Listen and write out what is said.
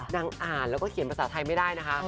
นางอ่านแล้วก็เขียนภาษาไทยไม่ได้นะคะ